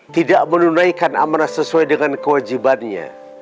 tidak menunaikan amanah sesuai dengan kewajibannya